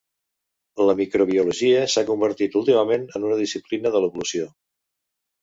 La microbiologia s'ha convertit últimament en una disciplina de l'evolució.